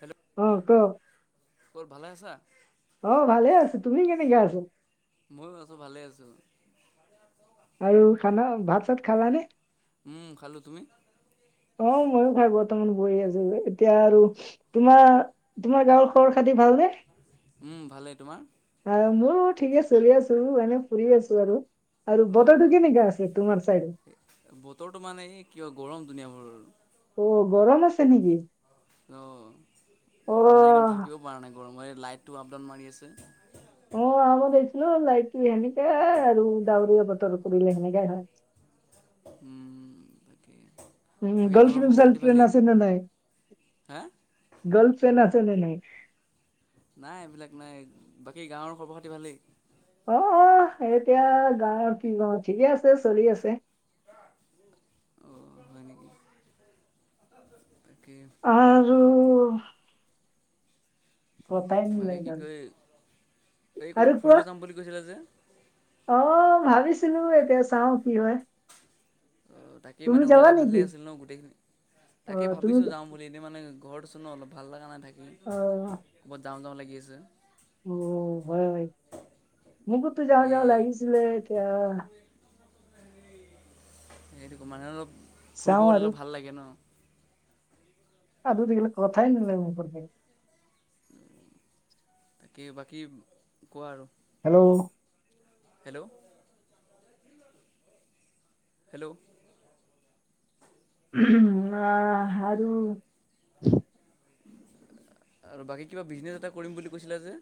Hello অ', ক' ক'ত, ভালে আছা? অ', ভালে আছোঁ, তুমি কেনেকে আছা? ময়ো আছোঁ ভালে আছোঁ আৰু খানা, ভাত-চাত খালানে? উম খালোঁ তুমি অ', মইয়ো খাই বৰ্তমান বহি আছো, এতিয়া আৰু তোমাৰ-তোমাৰ গাঁৱৰ খবৰ খাতি ভালনে? উম ভালে, তোমাৰ? বাৰু মোৰো ঠিকে চলি আছো। এনে ফুৰি আছো আৰু। আৰু বতৰটো অঁ কেনেকা আছে তোমাৰ চাইডে? ধুনীয়া মোৰ অ', গৰম আছে নেকি? অ', অ মানে একদম থাকিব পৰা নাই গৰমত। এই লাইটটো আপ-ডাউন মাৰি আছে। অ', আ খাব লৈছিলো লাইটটো এনেকাই আৰু ডাৱৰীয়া বতৰ কৰিলে সেনেকাই হয়। উম তাকে উম, বাকী ঘৰৰ খবৰ খাতি গৰ্লফ্ৰেণ্ড-চাৰ্লফ্ৰেণ্ড ভালেই আছে না নাই? হা গৰ্লফ্ৰেণ্ড আ আছে নে নাই? নাই এইবিলাক নাই। বাকী গাঁৱৰ খবৰ খাতি ভালেই? অ', অ', এতিয়া গাঁৱত কিবা, ঠিকে আছে চলি আছে। অঁ হয় তাকে আৰু বতাই বাকী লৈ কি গ'ল। কয় এই আৰু ক'ৰবাত কোৱা। ফুৰিব অ', যাম বুলি কৈছিলে যে ভাবিছ ছিলো এতিয়া চাওঁ কি হয়। ত' তাকেই তুমি মানে যাবা ওলালে নেকি ভালেই আছিল ন গোটেই খিনি। অ তাকেই তুমি ভাবিছো যাওঁ বুলি এতিয়া মানে ঘৰত আছো ন, অলপ ভাল লগা নাই থাকি। অ ক'ৰবাত যাওঁ যাওঁ লাগি আছে। অ', হয়। মোকোতো যাওঁ যাওঁ এই লাগিছিলে এতিয়া সেইটোকে মানে অলপ ফুৰিব চাওঁ গ'লে আৰু অলপ ভাল লাগে ন। [unintelligible] কথাই নোলাই মূখৰ পৰা তাকে বাকী কোৱা আৰু। হেল্ল'। হেল্ল'। হেল্ল'। [unintelligible] অ', আৰু আৰু বাকী কিবা বিজনেচ এটা কৰিম বুলি কৈছিলা যে?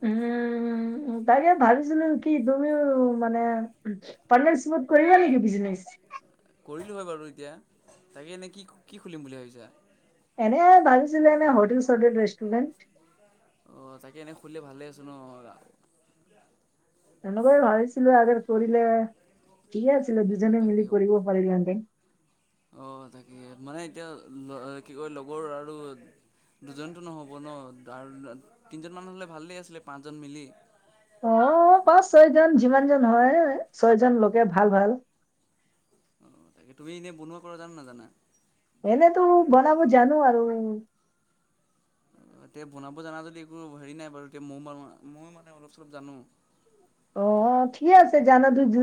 [unintelligible] উম, তাকে ভাবিছিলো কি তুমিও মানে পাৰ্টনাৰশ্বিপত কৰিবা নেকি বিজনেছ? [inaudible] কৰিলো হয় বাৰু এতিয়া। তাকে এনেই কি, কি খুলিম বুলি ভাবিছা? এনে ভাবিছিলো এনে হ'টেল-চ'টেল, ৰেষ্টুৰেণ্ট অ', তাকে এনে খুলিলে ভালে আছে ন এনেকুৱাই ভাবিছিলো আৰু কৰিলে ঠিকে আছিলে দুজনে মিলি কৰিব পাৰিলাহেঁতেন। অ', তাকে মানে এতিয়া অ', কি কয় লগৰ আৰু দুজনতো নহ'ব ন! আৰু তিনিজন মান হ'লে ভালেই আছিলে, পাঁচজন মিলি যিমানজন হয়, ছয়জন লকে ভাল, ভাল। তুমি এনেই বনোৱা কৰা জানানে নাজানা? এনেতো, বনাব জানোঁ আৰু। এতিয়া বনাব জানা যদি একো হেৰি নাই বাৰু, [unintelligible] ময়ো মানে অলপ, চলপ জানোঁ। অ', অ', ঠিক আছে, জানা যদি,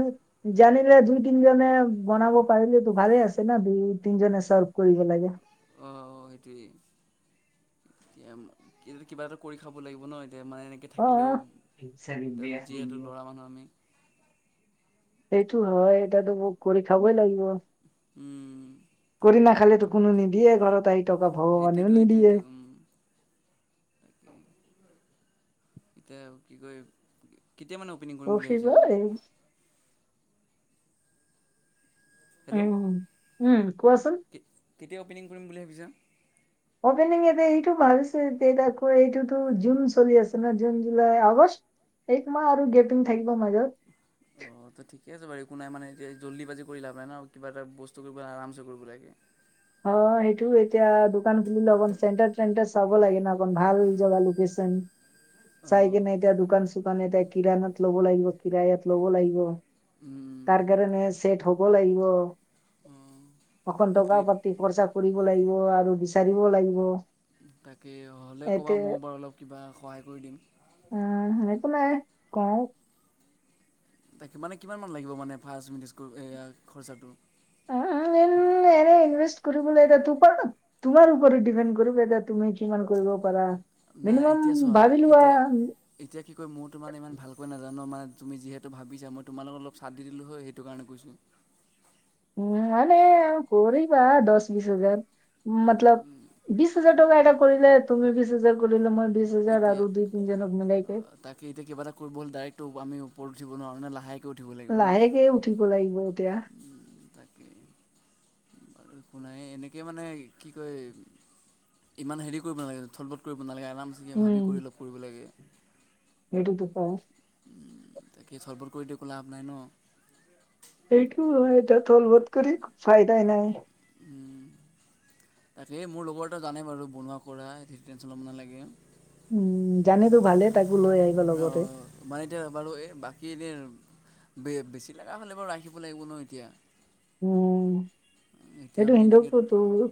জানিলে দুই, তিনিজনে বনাব পাৰিলেতো ভা ভালে আছে না, দুই, তিনিজনে চলৰ্ভ কৰিব লাগে। অঁ সেইটোৱেই [unintelligible] কিবা এটা কৰি খাব লাগিব ন [unintelligible] এনেকে থাকিলেও অ' যিহেতু ল'ৰা মানুহ আমি সেইটো হয়, এতিয়াটো ক-কৰি খাবই লাগিব। উম। কৰি নাখালেতো কোনো নিদিয়ে ঘৰত আহি। [unintelligible] ভগবানেয়ো সেইটোৱেতো নিদিয়ে। সেইটোৱেতো এতিয়া কি কয়, কেতিয়া মানে অপেনিং কৰিম অ' বুলি সেই ভাৱিছা? হেল্ল'। উম উম, কোৱাচোন। কেতিয়া অপেনিং কৰিম বুলি ভাৱিছা? অপেনিং এতিয়া এইটো ভাৱিছো যেনকে এইটোতো জুন চলি আছে ন, জুন, জুলাই, আগষ্ট। একমাহ আৰু গেপিং থাকিব মাজত। অ', তে ঠিক ঠিক আছে বাৰু একো নাই মানে, এতিয়া জলদিবাজি কৰি লাভ নাই ন, কিবা এটা বস্তু কৰিব আৰামছে কৰিব লাগে। অ', সেইটো এতিয়া দোকান খুলিলে অকন চেণ্টাৰ-টেনটাৰ চাব লাগে ন, অকন ভাল। জাগা-লোকেচন, চাই অঁ কিনে এতিয়া দোকান দোকান এটা কিৰানত ল'ব লাগিব, কিৰায়াত ল'ব লাগিব, উম তাৰ কাৰণে শ্বেট হ'ব লাগিব, অঁ অকন সেইটোৱেইতো টকা-পাতি [unintelligible] কৰিব লাগিব আৰু বিচাৰিব লাগিব। তাকে হ'লে ক'বা, এতিয়া ময়ো বাৰু অলপ কিবা সহায় কৰি দিম। কওক। তাকে মানে কিমান মান লাগিব মানে ফাৰ্ষ্ট মেনেজ কৰিব এইয়া খৰচাটো? এনে এনে ইনভেষ্ট কৰিবলৈ এতিয়া ত [unintelligible] তোমাৰ ওপৰত ডিপেণ্ড কৰিব এতিয়া তুমি কিমান কৰিব পাৰা। নাই, মিনিমাম এতিয়া চোৱা, ভাবি লোৱা এতিয়া উম, এতিয়া কি কয় মোৰটো মানে ইমান ভালকৈ না [unintelligible] মানে তুমি যিহেতু ভাৱিছা, মই তোমালোকক অলপ চাথ দি দিলোঁ হয়, সেইটো কাৰণে কৈছোঁ। উঁ, নাই, নাই কৰিবা দশ-বিশ হাজাৰ মতলব বিশ হাজাৰ টকা এটা কৰিলে, তুমি বিশ হাজাৰ কৰিলে মই বিশ হাজাৰ এতিয়া, আৰু দুই তিনিজনক মিলাইকে তাকে এতিয়া কিবা এটা কৰিব হ'লে ডাইৰেক্টটো আমিও ওপৰত উঠিব নোৱাৰোঁ ন, লাহেকে লাহেকে উঠিব লাগিব এতিয়া। তাকে একো নাই, এনেকে মানে কি কয় ইমান হেৰি কৰিব নালাগে, থতমত কৰিব নালাগে, আৰামছে কিবা ভাৱি উম কৰিব লাগে। সেইটোতো [unintelligible] তাকে খৰধৰ কৰি ত' একো লাভ নাই ন। খৰধৰ কৰি ফাইদাই নাই। উম, তাকেই মোৰ লগৰ এটা জানেই বাৰু বনোৱা কৰা, সেইটো টেনশ্যন ল'ব নালাগে। উম, জানি টো ভালেই, তাকো লৈ আহিবা লগতে। অঁ, মানে এতিয়া বাৰু এই বাকী এনে বে বেছি লগা হ'লে বাৰু ৰাখিব লাগিব ন এতিয়া। উম, এতিয়া সেইটো আমি এনেকৈ হিন্দুটো তোৰ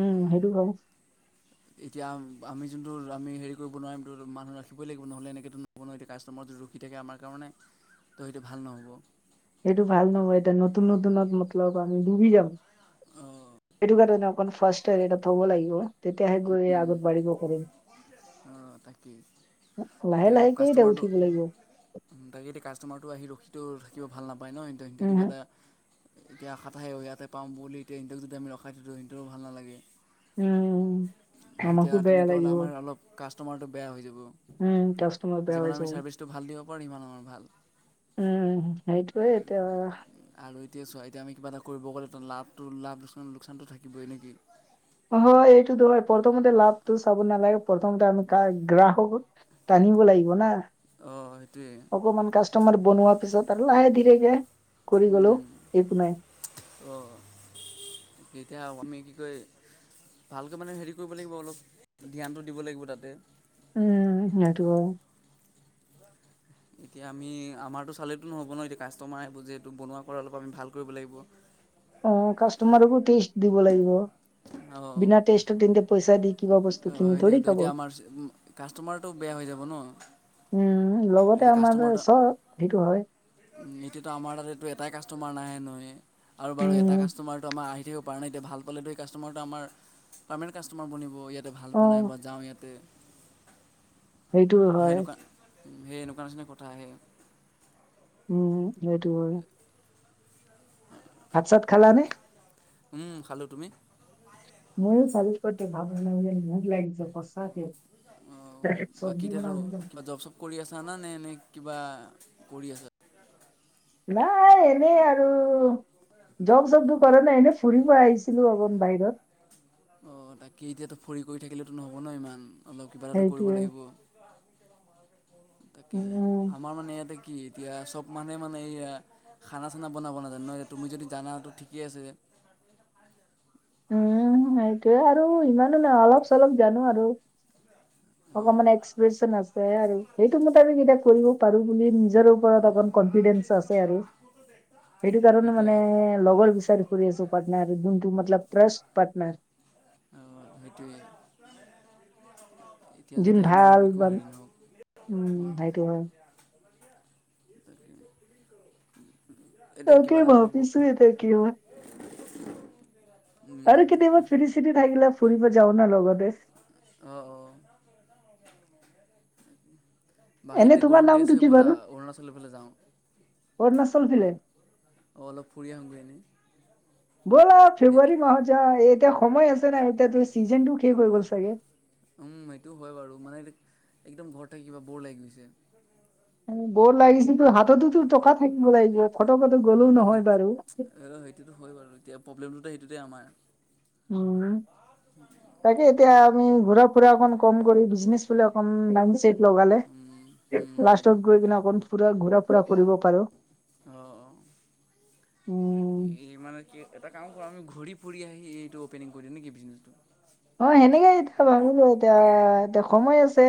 সেইটো ক'। এতিয়া আ আমি যোনটো আমি হেৰি কৰিব নোৱাৰিম, এইটোতো মানুহ ৰাখিবই লাগিব নহ'লে এনেকৈতো নহ'ব ন, এতিয়া কাষ্টমাৰ ৰখি থাকে আমাৰ কাৰণে ত' সেইটো ভাল নহ'ব। সেইটো ভাল নহয়, এতিয়া নতুন নতুনত মতলব আমি ডুবি যাম। অঁ এইটো কাৰণে অকল ফষ্টটোত এটা থ'ব লাগিব। তেতিয়াহে গৈ আগবাঢ়িব পাৰিম। অ', তাকে, লাহে এতিয়া লাহেকে এতিয়া কাষ্টমাৰটো উঠিব লাগিব তাকে এতিয়া কাষ্টমাৰটো আহি ৰখি থাকিব ভাল নাপায় ন সিহঁতে কিবা উম এটা এতিয়া আশা থাকে আহে ইয়াতে পাম বুলি এতিয়া সিহঁতক যদি আমি ৰখাই থাকো সিহঁতৰো ভাল নালাগে উম আমাক বেয়া লাগিব আমাৰতো বেয়া হৈ যাব। উম কাষ্টমাৰ বেয়া হৈ যাব। পৰিমানৰ ভাল উম এইটোয়ে এতিয়া আৰু এতিয়া চোৱা এতিয়া আমি কিবা এটা কৰিব গ'লে লাভটো লাভ লোকচানটো থাকই নে কি। হয় এইটো দো হয় প্ৰথমতে লাভটো চাব নালাগে প্ৰথমতে আমি গ্ৰাহক আনিব লাগিব না, অঁ সেইটোৱে অকমান কাষ্টমাৰ বনোৱাৰ পিছত আৰু লাহে ধীৰেকে কৰি গলো একো নাই। অঁ এতিয়া আমি কি কয় ভালকৈ মানে হেৰি কৰিব লাগিব অলপ ধ্যানটো দিব লাগিব তাতে। উম, সেইটো এতিয়া আমি আমাৰতো চালেতো নহ'ব ন! এতিয়া কাষ্টমাৰ আহিব যিহেতু বনোৱা কৰা অলপ আমি ভাল কৰিব লাগিব। অ', কাষ্টমাৰকো [unintelligible] দিব লাগিব। [unintelligible] বিনা টেষ্টৰ তেন্তে পইচা দি কিবা বস্তুকিনি থৰি সেইটোৱেতো খাব। এতিয়া অ' উম, লগতে আমাৰ চব সেইটো হয়। এতিয়াটো আমাৰ তাতেটো এটাই কাষ্টমাৰ নাহে নহয়, আৰু বাৰু এটা উম কাষ্টমাৰটো আমাৰ আহি পৰা নাই এতিয়া ভাল পালেটো এই কাষ্টমাৰটো আমাৰ পাৰমানেণ্ট কাষ্টমাৰ বনিব ইয়াত ভাল অ বনাই বা যাওঁ ইয়াতে সেইটোও সেই হয়। এনেকুৱা সেই এনেকুৱা নিচিনা কথা আহে। উম, সেইটো হয়। ভাত-চাত খালা নে? উম খালো, তুমি? মইয়ো কালিৰ পৰা [unintelligible] ভোক লাগিছে সঁচাকে। অ', বাকী চব্জি এতিয়া বনাম একদম। জ-কিবা জব চব কৰি আছা নে, নে এনে কিবা কৰি আছা। নাই, এনেই আৰু জব চবটো কৰা নাই, এনেই ফুৰিব আহিছিলো অলপ বাহিৰত। অ', তাকে, এতিয়াতো ফুৰি কৰি থাকিলেতো নহ'ব ন ইমান। অলপ কিবা এটাতো কৰিব সেইটোয়ে লাগিব, তাকে, উম আমাৰ মানে ইয়াতে কি এতিয়া চব মানুহে মানে এইয়া খানা চানা বনাব নাজানে, নহয় জানো, তুমি যদি জানা ত' ঠিকেই আছে [inaudible] উম, সেইটোয়ে আৰু ইমানো নহয় অলপ চলপ জানো আৰু। অকমান অঁ এক্সপ্ৰেচন আছে আৰু সেইটো মতে আমি তাত কৰিব পাৰোঁ বুলিয়ে নিজে নিজৰ ওপৰত অকণ কনফিডেঞ্চ আছে আৰু। সেইটো কাৰণে এতিয়া মানে লগৰ বিচাৰি ফুৰি আছোঁ, পাৰ্টনাৰ, যোনটো মতলব ফ্ৰেছ পাৰ্টনাৰ। অ', সেইটোৱে। এতিয়া এজন যাতে আমাৰ ভাল, একো হেৰি নহওক উম, সেইটো হয়। তাকে [inaudible] তাকেই ভাৱিছো, এতিয়া কি হয়। আৰু তাকে কেতিয়াবা ফিৰি-চিৰি থাকিলে ফুৰিব যাওঁ না লগতে। অ' অ' বাকী এনে এতিয়া তোমাৰ গৰম দি নামটো আছে কি ব'লা বাৰু অৰুণাচলৰ ফালে যাওঁ। অৰুণাচল অল, ফালে অ', অলপ ফুৰি আহোগে এনেই। ব'লা ফেব্ৰুৱাৰী মাহত যাওঁ এতিয়া সময় আছে নাই এতিয়াতো চিজনটো শেষ হৈ গ'ল চাগে উম, সেইটো হয় বাৰু মানে এত একদম ঘৰত থাকি কিবা ব'ৰ লাগি গৈছে। ব'ৰ লাগিছে তোৰ হাততেটো টকা থাকিব লাগিব খত সেই সেইটোতো হয় বাৰু, এতিয়া প্ৰব্লেমটোতা সেইটোতে আমাৰ। উম। তাকে এতিয়া আমি ঘূৰা-ফুৰা অকণ কম কৰি বিজনেচ ফালে অকণ লাইনটো চেট লগালে। অঁ লাষ্টত গৈ কিনে অকণ ফুৰা, ঘূৰা-ফুৰা কৰিব পাৰোঁ। অ', অ', উম, মানে কি এটা কাম কৰা আমি ঘূৰি ফুৰি আহি এইটো অপেনিং কৰি দিওঁ নেকি বিজনেছটো? অ', সেনেকেই [unintelligible] এতিয়া এতিয়া সময় আছে।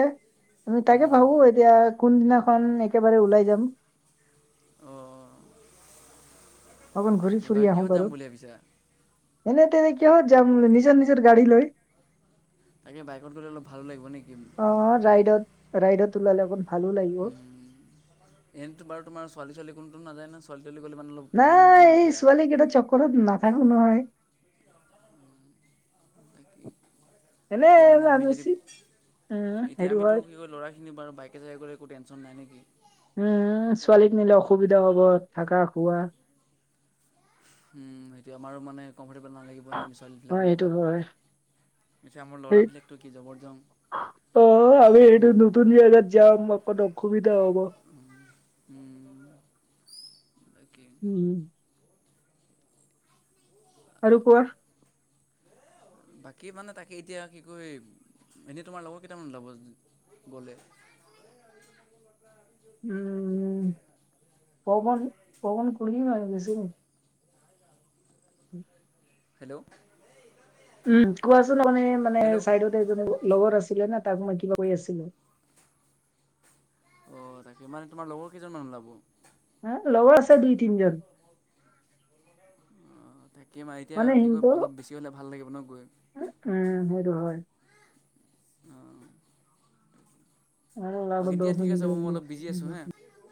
আমি তাকে ভাবো বিজনেছটো এতিয়া কোনদিনাখন একেবাৰে ওলাই যাম। অ', অ', অ'। অকন ঘূৰি-ফুৰি আহো বাৰু। এনে তেনে কিহত যাম নিজৰ নিজৰ গাড়ী লৈ? তাকে বাইকত গ'লে অলপ ভালো লাগিব নেকি? অ' ৰাইডত ৰাইডত ওলালে অকণ ভালো লাগিব। উম, এনেটো বাৰু তোমাৰ ছোৱালী, ছোৱালী কোনটো নাযায় না ছোৱা নাই, এই ছোৱালীকেইটাৰ চক্কৰত নাথাকো নহয়। তাকে এতিয়া মানে আমি যদি উম, এতিয়া সেইটো আমিতো হয়। কি কয় ল'ৰাখিনি বাৰু বাইকে চাইকে গ'লে একো টেন চন নাই নেকি? উম, ছোৱালীক নিলে অসুবিধা হ'ব থাকা, খোৱা। উম, সেইটো আমাৰো মানে কম্ফৰটেবল নালাগিব না কি অ' ছোৱালীবিলাকৰ সেইটো হয়। লগত। এতিয়া আমাৰ সেই ল'ৰাবিলাকটো কি জবৰ জং। অ', আমি এইটো শুব নতুন জেগাত যাম অকণ অসুবিধা হ'ব। উম। উম। আৰু কোৱা। বাকী মানে তাকে এতিয়া কি কয় এনে তোমাৰ লগৰ কেইটামান ওলাব গ'লে? উম, পবন, পবন কুলি আৰু বেছিম উম। হেল্ল'। উম, কোৱাচোন মানে মানে হেল্ল' চাইডত এজনী লগৰ আছ ছিলে না তাক মই কিবা কৈ আছিলোঁ। অ', তাকে, মানে তোমাৰ লগৰ কেইজনমান ওলাব? হা, লগৰ আছে দুই, তিনজন। কি মা এতিয়া মানে কি কয়, সিহঁতৰ অলপ বেছি হ'লে ভাল লাগিব ন' গৈ। উম, সেইটো হয়। অ' বাকী দিয়া ঠিক আছে হ'ব মই অলপ বিজি আছোঁ হা [unintelligible]